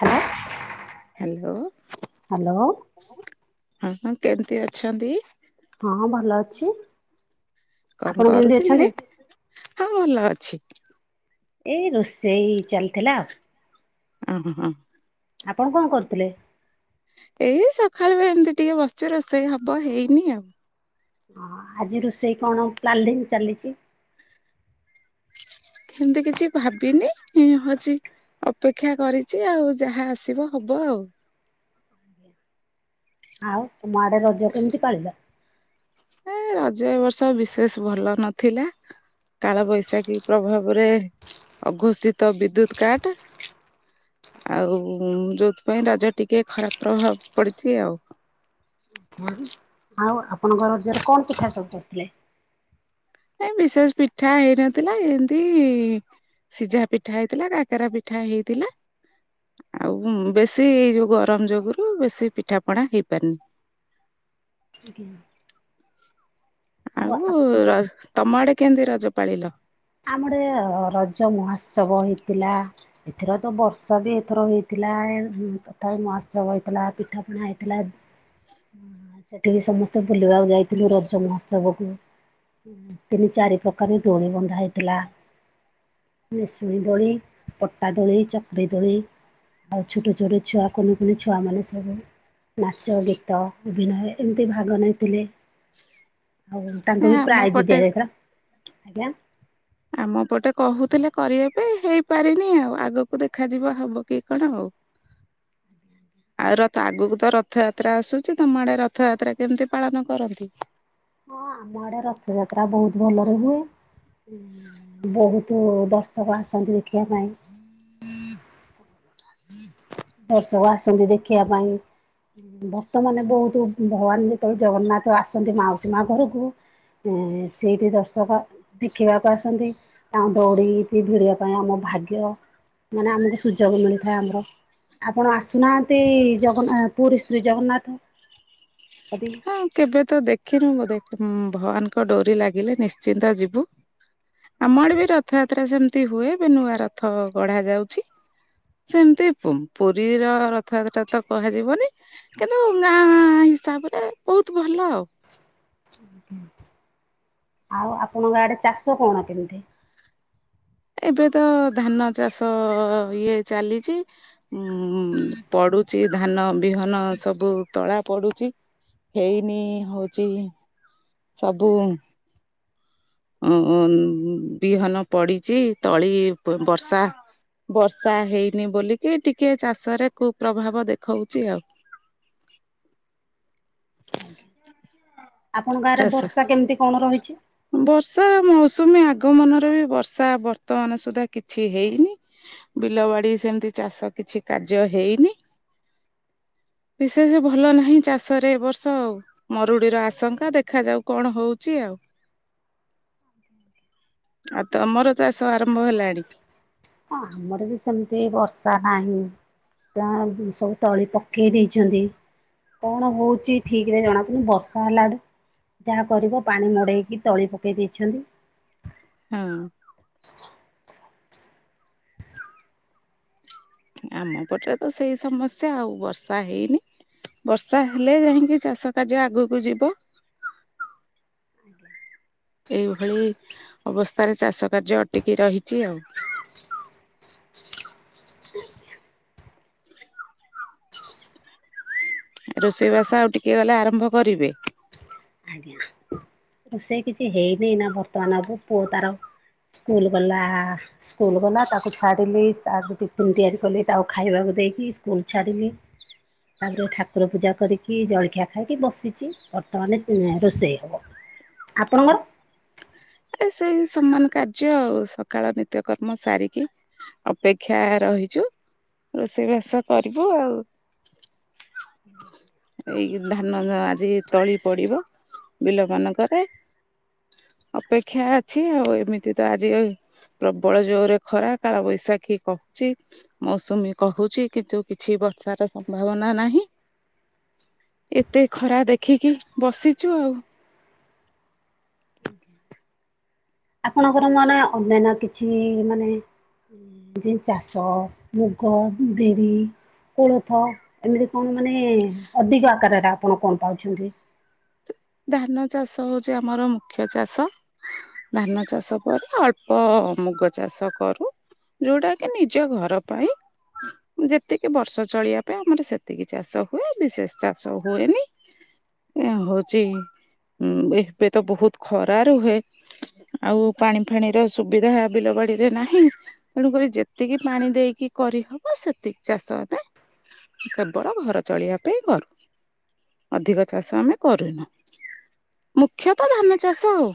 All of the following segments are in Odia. ହାଲୋ। ହାଲୋ। ହାଲୋ। ଆପଣ କେମିତି ଅଛନ୍ତି? ହଁ ଭଲ ଅଛି। କଣ ଆପଣ କେମିତି ଅଛନ୍ତି? କରୁଥିଲେ ହ ଭଲ ଅଛି। ଏଇ ରୋଷେଇ ଚାଲିଥିଲା ଆଉ। ଅ ହଃ ହଁ। ଆପଣ କଣ କରୁଥିଲେ। ଏଇ ସକାଳୁ ବି ଏମିତି ଟିକେ ବସିଛି ରୋଷେଇ ହବ ହେଇନି ଆଉ। ଆଜି ରୋଷେଇ କଣ ହବ ପ୍ଲାନିଂ ଚାଲିଛି? ସେମିତି କିଛି ଭାବିନି ହଉଛି। ଅପେକ୍ଷା କରିଛି ଆଉ ଯାହା ଆସିବ ହବ ଆଉ। ଆଉ ତମ ଆଡେ ରଜ କେମିତି ପାଳିଲ? ଏ ରଜ ଏ ବର୍ଷ ବିଶେଷ ଭଲ ନଥିଲା। କାଳ ବୈଶାଖୀ ପ୍ରଭାବରେ ଅଘୋଷିତ ବିଦ୍ୟୁତ କାଟ। ଆଉ ଯୋଉଥିପାଇଁ ରଜ ଟିକେ ଖରାପ ପ୍ରଭାବ ପଡିଛି ଆଉ। [unintelligible] ଆଉ ଆପଣଙ୍କ ରଜରେ କଣ ପିଠା ସବୁ କରିଥିଲେ। ହେ ବିଶେଷ ପିଠା ହେଇନଥିଲା ଏମତି ସିଝା ପିଠା ହେଇଥିଲା କାକେରା ପିଠା ହେଇଥିଲା। ଆଉ ବେଶୀ ଏଇ ଗରମ ଯୋଗୁରୁ ବେଶୀ ପିଠା ପଣା ହେଇପାରନି। [inaudible] ଆଉ ର ତମ ଆଡେ କେମତି ରଜ ପାଳିଲ। ଆମର ରଜମହୋତ୍ସବ ହେଇଥିଲା। ଏଥର ତ ବର୍ଷା ବି ଏଥର ହେଇଥିଲା ତଥାପି ମହାଉତ୍ସବ ହେଇଥିଲା ପିଠାପଣା ହେଇଥିଲା। [inaudible] ସେଠିକି ସମସ୍ତେ ବୁଲିବାକୁ ଯାଇଥିଲୁ ରଜ ମହୋତ୍ସବ କୁ। ତିନି ଚାରି ପ୍ରକାର ଦୋଳି ବନ୍ଧା ହେଇଥିଲା। ନିସୁଣୀ ଦୋଳି ପଟା ଦୋଳି ଚକରି ଦୋଳି। ଆଉ ଛୋଟ ଛୋଟ ଛୁଆ କୁନି କୁନି ଛୁଆ ମାନେ ସବୁ ନାଚ ଗୀତ ଅଭିନୟ ଏମିତି ଭାଗ ନେଇଥିଲେ। [inaudible] ଆଉ ନା ତାଙ୍କୁବି ଆମ ପ୍ରାଇଜ ପଟେ ଦିଆଯାଇଥିଲା ଆଜ୍ଞା। ଆମ ପଟେ କହୁଥିଲେ କରିବା ପାଇଁ ହେଇପାରିନି ଆଉ ଆଗକୁ ଦେଖାଯିବା ହବ କି କଣ ଆଉ। [unintelligible] ଆଉ ରଥ ଆଗକୁ ତ ରଥଯାତ୍ରା ଆସୁଛି ତମ ଆଡେ ରଥଯାତ୍ରା କେମିତି ପାଳନ କରନ୍ତି? ହଁ ଆମ ଆଡେ ରଥଯାତ୍ରା ବହୁତ ଭଲରେ ହୁଏ। ବୋହୁତୁ ଦର୍ଷକ ଆସନ୍ତି ଦେଖିବା ପାଇଁ। ଦର୍ଶକ ଆସନ୍ତି ଦେଖିବା ପାଇଁ। ଭକ୍ତ ମାନେ ବୋହୁତୁ ଭଗବାନ ଯେତେବେଳେ ଜଗନ୍ନାଥ ଆସନ୍ତି ମାଉସୀ ମା ଘରକୁ ଏ ସେଇଠି ଦର୍ଶକ ଦେଖିବାକୁ ଆସନ୍ତି। ତାଙ୍କ ଦୌଡି କି ଭିଡିବା ପାଇଁ ଆମ ଭାଗ୍ୟ ମାନେ ଆମକୁ ସୁଯୋଗ ମିଳି ଆମର ଆପଣ ଆସୁନାହାନ୍ତି ଜଗନ୍ ପୁରୀ ଶ୍ରୀ ଜଗନ୍ନାଥ। [unintelligible] ହଁ କେବେ ତ ଦେଖିନୁ ବୋଧେ। ଭଗବନ୍ ଙ୍କ ଡୋରି ଲାଗିଲେ ନିଶ୍ଚିନ୍ତ ଯିବୁ। ଆମ ଆଡେ ବି ରଥଯାତ୍ରା ସେମିତି ହୁଏ। ଏବେ ନୂଆ ରଥ ଗଢା ଯାଉଛି। ସେମିତି ପୁ-ପୁରୀର ରଥଯାତ୍ରା ତ କୁହାଯିବନି। କିନ୍ତୁ ଗାଁ ହିସାବରେ ବହୁତ ଭଲ ଆଉ। ଆଉ ଆପଣଙ୍କ ଆଡେ ଚାଷ କଣ କେମିତି? ଏବେ ତ ଧାନ ଚାଷ ଇଏ ଚାଲିଚି। ଉ ପଡୁଚି ଧାନ ବିହନ ସବୁ ତଳା ପଡୁଛି। ହେଇନି ହଉଛି। ସବୁ। ଉଁ ବିହନ ପଡିଛି ତଳି ବର୍ଷା। ବର୍ଷା ହେଇନି ବୋଲିକି ଟିକେ ଚାଷରେ କୁପ୍ରଭାବ ଦେଖଉଚି ଆଉ। ଆପଣଙ୍କ ଆଡେ ଚାଷ ବର୍ଷା କେମିତି କଣ ରହିଛି? ବର୍ଷା ମୌସୁମୀ ଆଗମନରେ ବି ବର୍ଷା ବର୍ତ୍ତମାନ ସୁଦ୍ଧା କିଛି ହେଇନି। ବିଲ ବାଡି ସେମିତି ଚାଷ କିଛି କାର୍ଯ୍ୟ ହେଇନି। ବିଶେଷ ଭଲ ନାହିଁ ଚାଷରେ ଏ ବର୍ଷ ଆଉ। ମରୁଡିର ଆଶଙ୍କା ଦେଖାଯାଉ କଣ ହଉଛି ଆଉ। ଆଉ ତମର ଚାଷ ଆରମ୍ଭ ହେଲାଣି? ହଁ ଆମର ବି ସେମିତି ବର୍ଷା ନାହିଁ। ଗାଁ ସବୁ ତଳି ପକେଇ ଦେଇଛନ୍ତି। କଣ ହଉଛି ଠିକରେ ଜଣାପଡୁନି। ବର୍ଷା ହେଲା ଆଡ଼େ ଯାହା କରିବ ପାଣି ମଡ଼େଇକି ତଳି ପକେଇ ଦେଇଛନ୍ତି। ହଁ। ଆମ ପଟରେ ତ ସେଇ ସମସ୍ୟା ଆଉ ବର୍ଷା ହେଇନି। ବର୍ଷା ହେଲେ ଯାଇକି ଚାଷ କାର୍ଯ୍ୟ ଆଗକୁ ଯିବ। ଆଜ୍ଞା। ଏଇଭଳି ଅବସ୍ଥାରେ ଚାଷ କାର୍ଯ୍ୟ ଅଟିକି ରହିଛି ଆଉ। [inaudible] ରୋଷେଇବାସ ଆଉ ଟିକେ ଗଲେ ଆରମ୍ଭ କରିବେ? ଆଜ୍ଞାା। ରୋଷେଇ କିଛି ହେଇନି ନା ବର୍ତ୍ତମାନ ହବ ପୁ-ପୁ-ପୁଅ ତାର ସ୍କୁଲ ଗଲା। ସ୍କୁଲ ଗଲା ତାକୁ ଛାଡିଲି ଆ ଟିଫିନ ତିଆରି କଲି ତାକୁ ଖାଇବାକୁ ଦେଇକି ସ୍କୁଲ ଛାଡ଼ିଲି। ତାପରେ ଠାକୁର ପୂଜା କରିକି ଜଳଖିଆ ଖାଇକି ବସିଛି। ବର୍ତ୍ତମାନ ରୋଷେଇ ହେବ। ଆପଣଙ୍କର? ଏ ସେଇ ସମାନ କାର୍ଯ୍ୟ ଆଉ। ସକାଳ ନିତ୍ୟକର୍ମ ସାରିକି ଅପେକ୍ଷା ରହିଛୁ ରୋଷେଇବାସ କରିବୁ ଆଉ। ଏଇ ଧାନ ଆଜି ତଳି ପଡିବ ବିଲ ମାନଙ୍କରେ। ଅପେକ୍ଷା ଅଛି ଆଉ। ଏମିତି ତ ଆଜି ପ୍ରବଳ ଜୋରେ ଖରା କାଳ ବୈଶାଖୀ କହୁଛି। ମୌସୁମୀ କହୁଛି କିନ୍ତୁ କିଛି ବର୍ଷାର ସମ୍ଭାବନା ନାହିଁ। ଏତେ ଖରା ଦେଖିକି ବସିଛୁ ଆଉ। [unintelligible] ଆପଣଙ୍କର ମାନେ ଅନ୍ୟାନ୍ୟ କିଛି ମାନେ ଯେ ଚାଷ ମୁଗ ବିରି କୋଳଥ ଏମିତି କଣ ମାନେ ଅଧିକ ଆକାରରେ ଆପଣ କଣ ପାଉଛନ୍ତି? ଧାନ ଚାଷ ହୋଉଚି ଆମର ମୁଖ୍ୟ ଚାଷ। ଧାନ ଚାଷ କରୁ ଅଳ୍ପ ମୁଗ ଚାଷ କରୁ। ଯୋଉଟା କି ନିଜ ଘର ପାଇଁ। ଯେତିକି ବର୍ଷ ଚଳିବା ପାଇଁ ଆମର ସେତିକି ଚାଷ ହୁଏ ବିଶେଷ ଚାଷ ହୁଏନି। ଏ ହଉଚି ଏବେ ତ ବହୁତ ଖରା ରୁହେ। ଆଉ ପାଣି ଫାଣିର ସୁବିଧା ବିଲ ବାଡିରେ ନାହିଁ!। ତେଣୁକରି ଯେତିକି ପାଣି ଦେଇକି କରିହବ ସେତିକି ଚାଷ ଏବେ କେବଳ ଘର ଚଳିବା ପାଇଁ କରୁ ଅଧିକ ଚାଷ ଆମେ କରୁନା ମୁଖ୍ୟତ ଧାନ ଚାଷ ଆଉ।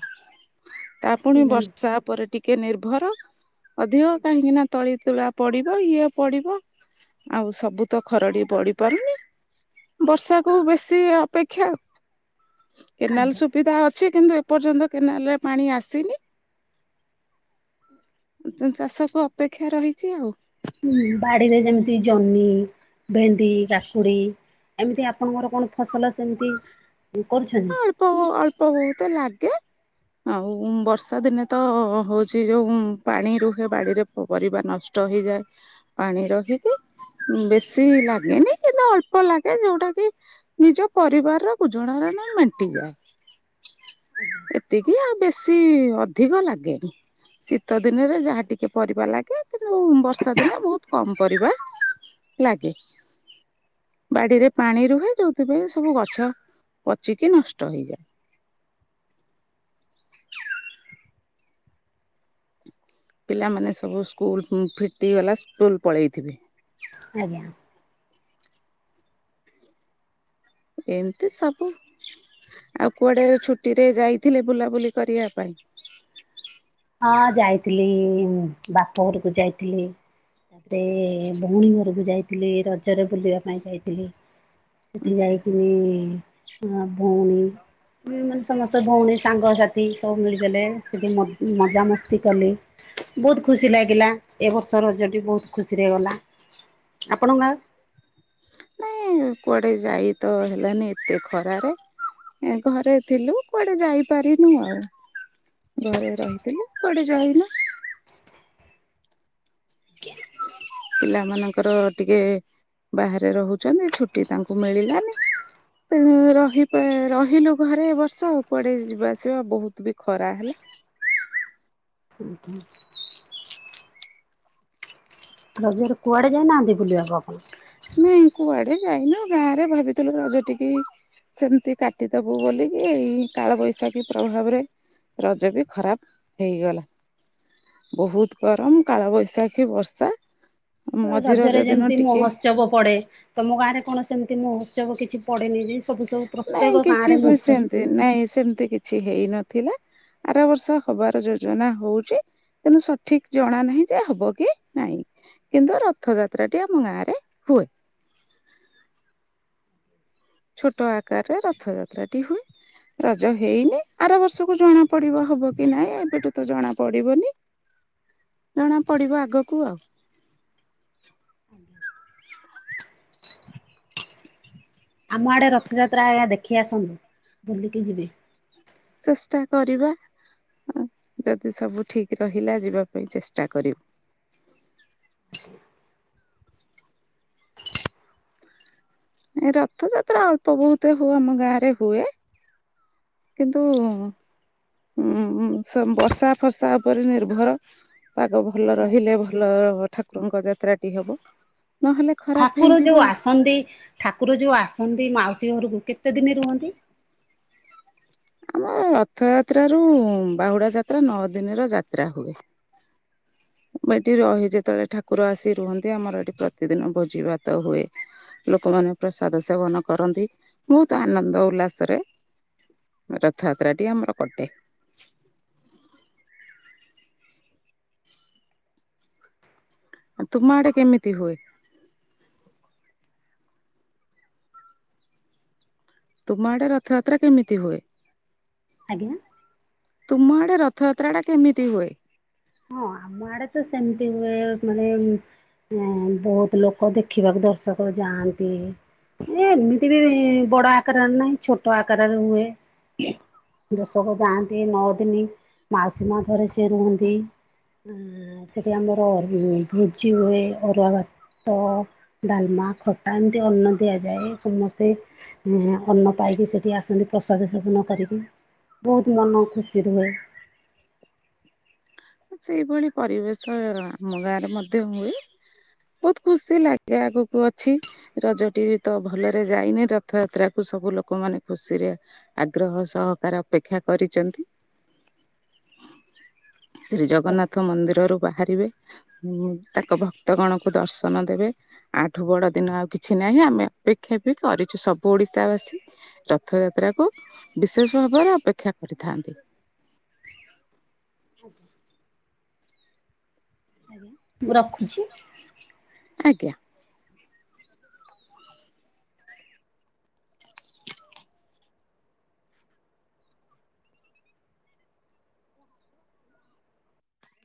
ତା ପୁଣି ନିଶ୍ଚିନ୍ତ ବର୍ଷା ଉପରେ ଟିକେ ନିର୍ଭର ଅଧିକ କାହିଁକି ନା ତଳି ତୁଳା ପଡିବ ଇଏ ପଡିବ ଆଉ ସବୁ ତ ଖରଡ଼ି ପଡି ପାରୁନି। ବର୍ଷାକୁ ବେଶୀ ଅପେକ୍ଷା। କେନାଲ ଆଜ୍ଞା ସୁବିଧା ଅଛି କିନ୍ତୁ ଏପର୍ଯ୍ୟନ୍ତ କେନାଲରେ ପାଣି ଆସିନି। ଚାଷ କୁ ଅପେକ୍ଷା ରହିଛି ଆଉ। ବାଡିରେ ସେମିତି ଜହ୍ନି ଭେଣ୍ଡି କାକୁଡି ଏମିତି ଆପଣଙ୍କର କଣ ଫସଲ ସେମିତି କରୁଛନ୍ତି? ତାକୁ ଅଳ୍ପ ଅଳ୍ପ ବହୁତ ଲାଗେ ଆଉ ବର୍ଷା ଦିନେ ତ ହୋଉଛି ଯୋଉ ପାଣି ରୁହେ ବାଡିରେ ପରିବା ନଷ୍ଟ ଷ୍ଟ ହେଇଯାଏ। ପାଣି ରହିକି ବେଶୀ ଲାଗେନି କିନ୍ତୁ ଅଳ୍ପ ଲାଗେ ଯୋଉଟା କି ନିଜ ପରିବାର ର ଗୁଜୁରଣାର ମେଣ୍ଟିଯାଏ। ଏତିକି ଆଉ ବେଶୀ ଅଧିକ ଲାଗେନି। ଶୀତ ଦିନରେ ଯାହା ଟିକେ ପରିବା ଲାଗେ କିନ୍ତୁ ବର୍ଷା ଦିନେ ବୋହୁତ କମ ପରିବା ଲାଗେ ବାଡିରେ ପାଣି ରୁହେ ଯୋଉଥିପାଇଁ ସବୁ ଗଛ ପଚିକି ନଷ୍ଟ ହେଇଯାଏ। ପିଲାମାନେ ସବୁ ସ୍କୁଲ କୁ ଫିଟିଗଲା ସ୍କୁଲ ପଳେଇଥିବେ। ଆଜ୍ଞା ଏମିତି ସବୁ ଆଉ କୁଆଡେ ଛୁଟିରେ ଯାଇଥିଲେ ବୁଲାବୁଲି କରିବା ପାଇଁ? ହଁ ଯାଇଥିଲି ବାପ ଘରକୁ ଯାଇଥିଲି। ଏ ସବୁ ଯାଇଥିଲି ରଜରେ ବୁଲିବା ପାଇଁ ଯାଇଥିଲି। ସେଠି ଯାଇକିଣି ସେଠି ମୋ ଭୋଉଣୀ ହୁଁ ସମସ୍ତ ଭଉଣୀ ସାଙ୍ଗସାଥି ସବୁ ମିଳିଦେଲେ ସେଠି ମଜାମସ୍ତି କଲେ ବୋତ ଖୁସି ଲାଗିଲା ଏ ବର୍ଷ ରଜଟି ବହୁତ ଖୁସିରେ ଗଲା। ଆପଣଙ୍କ ଗାଁ ନାଇଁ କୁଆଡ଼େ ଯାଇ ତ ହେଲାନି ଏତେ ଖରାରେ ଏ ଘରେ ଥିଲୁ କୁଆଡେ ଯାଇପାରିନୁ ଆଉ। ଘରେ ରହିଥିଲୁ କୁଆଡେ ଯାାଇନୁ ପିଲା ମାନଙ୍କର ଟିକେ ବାହାରେ ରହୁଛନ୍ତି ଛୁଟି ତାଙ୍କୁ ମିଳିଲାନି ରହିପ୍ ରହିଲୁ ଘରେ ଏ ବର୍ଷ ଆଉ କୁଆଡେ ଯିବା ଆସିବା ବହୁତ ବି ଖରା ହେଲା ଉଁ ହୁଁ। ରଜରେ କୁଆଡେ ଯାଇନାହାନ୍ତି ବୁଲିବାକୁ ଆକୁ? ନାଇଁ କୁଆଡେ ଯାଇନୁ ଗାଁ ରେ ଭାବିଥିଲୁ ରଜ ଟିକେ ହେଇଚି। ସେମିତି କାଟିଦବୁ ବୋଲିକି ଏଇ କାଳ ବୈଶାଖୀ ପ୍ରଭାବରେ ରଜ ବି ଖରାପ ହେଇଗଲା। ବୋହୁତ ଗରମ କାଳବୈଶାଖୀ ବର୍ଷା। ମଝି ରଜରେ ରଜ ଦିନ ଯେମିତି ଟିକେ ମହୋତ୍ସବ ପଡେ ତମ ଗାଁ ରେ କଣ ସେମିତି ମହୋତ୍ସବ କିଛି ପଡ଼େନି ଯେ ସବୁ ସବୁ ନାଇଁ ପ୍ରତ୍ୟେକ କିଛି ଗାଁରେ ମଷ୍ଟ ସେମତି ନାଇଁ ସେମିତି କିଛି ହେଇ ନଥିଲା ଆର ବର୍ଷ ହବାର ଯୋଜନା ହଉଛି। କିନ୍ତୁ ସଠିକ୍ ଜଣା ନାହିଁ ଯେ ହବ କି ନାଇଁ। କିନ୍ତୁ ରଥଯାତ୍ରାଟି ଆମ ଗାଁରେ ହୁଏ। ଛୋଟ ଆକାରରେ ରଥଯାତ୍ରାଟି ହୁଏ। ରଜ ହେଇନି ଆର ବର୍ଷକୁ ଜଣା ପଡିବ ହବ କି ନାଇଁ ଏବେଠୁ ତ ଜଣା ପଡିବନି ଜଣା ପଡିବ ଆଗକୁ ଆଉ ଆମ ଆଡ଼େ ରଥଯାତ୍ରା ଆଜ୍ଞା ଦେଖି ଆସନ୍ତୁ ବୁଲିକି ଯିବେ। ଚେଷ୍ଟା କରିବା ହ ଯଦି ସବୁ ଠିକ୍ ରହିଲା ଯିବା ପାଇଁ ଚେଷ୍ଟା କରିବୁ। ଏ ରଥଯାତ୍ରା ଅଳ୍ପ ବହୁତ ହଉ ଆମ ଗାଁ ରେ ହୁଏ। କିନ୍ତୁ ଉ ବର୍ଷା ଫର୍ଷା ଉପରେ ନିର୍ଭର ପାଗ ଭଲ ରହିଲେ ଭଲ ଠାକୁରଙ୍କ ଯାତ୍ରାଟି ହବ ନହେଲେ ଖରାପ ଠାକୁର ହେଇଯିବ। ଯୋଉ ଆସନ୍ତି ଠାକୁର ଯୋଉ ଆସନ୍ତି ମାଉସୀ ଘରକୁ କେତେ ଦିନେ ରୁହନ୍ତି ଆମର ରଥ ଯାତ୍ର ରୁ ବାହୁଡା ଯାତ୍ରା ନଅ ଦିନ ର ଯାତ୍ରା ହୁଏ। ଏଠି ରହି ଯେତେବେଳେ ଠାକୁର ଆସି ରୁହନ୍ତି। ଆମର ଏଠି ପ୍ରତିଦିନ ଭୋଜି ଭାତ ହୁଏ। ଲୋକମାନେ ପ୍ରସାଦ ସେବନ କରନ୍ତି ବହୁତ ଆନନ୍ଦ ଉଲ୍ଲାସ ରେ ରଥଯାତ୍ରା ଟି ଆମର କଟେ। ତୁମ ଆଡେ କେମିତି ହୁଏ? ତୁମ ଆଡେ ରଥଯାତ୍ରା କେମିତି ହୁଏ? ଆଜ୍ଞା। ତୁମ ଆଡ଼େ ରଥଯାତ୍ରା ଟା କେମିତି ହୁଏ ହଁ ଆମ ଆଡେ ତ ସେମତି ହୁଏ ମାନେ ହଁ ବହୁତ ଲୋକ ଦେଖିବାକୁ ଦର୍ଶକ ଯାଆନ୍ତି। ଏ ଏମିତି ବି ବଡ ଆକାରରେ ନାହିଁ ଛୋଟ ଆକାରରେ ହୁଏ। ଦଶକ ଯାଆନ୍ତି ନଅ ଦିନ ମାଉସୀ ମା ରେ ସେଏ ରୁହନ୍ତି। ସେଠି ଆମର ଭୋଜି ହୁଏ ଅରୁଆ ତ ଡାଲମା ଖଟା ଏମିତି ଅନ୍ନ ଦିଆଯାଏ ସମସ୍ତେ ଅନ୍ନ ପାଇକି ସେଠି ଆସନ୍ତି ପ୍ରସାଦ ସେବନ କରିକି ବହୁତ ମନ ଖୁସି ରୁହେ। ସେଇଭଳି ପରିବେଶ ଆମ ଗାଁରେ ମଧ୍ୟ ହୁଏ। ବହୁତ ଖୁସି ଲାଗେ ଆଗକୁ ଅଛି ରଜ ଟି ବି ତ ଭଲରେ ଯାଇନି ରଥଯାତ୍ରା କୁ ସବୁ ଲୋକ ମାନେ ଖୁସିରେ ଆଗ୍ରହ ସହକାର ଅପେକ୍ଷା କରିଛନ୍ତି। ଶ୍ରୀ ଜଗନ୍ନାଥ ମନ୍ଦିରରୁ ବାହାରିବେ ତାଙ୍କ ଭକ୍ତଗଣକୁ ଦର୍ଶନ ଦେବେ। ଆଠୁ ବଡ଼ ଦିନ ଆଉ କିଛି ନାହିଁ। ଆମେ ଅପେକ୍ଷା ବି କରିଛୁ ସବୁ ଓଡ଼ିଶା ବାସୀ। ରଥଯାତ୍ରାକୁ ବିଶେଷ ଭାବରେ ଅପେକ୍ଷା କରିଥାନ୍ତି। ଆଜ୍ଞା ମୁଁ ରଖୁଛି। ଆଜ୍ଞା।